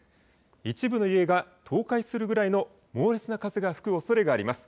一部の家が倒壊するぐらいの猛烈な風が吹くおそれがあります。